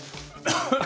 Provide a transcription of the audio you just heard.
ハハハッ。